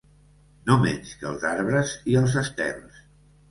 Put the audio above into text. No menys que els arbres i els estels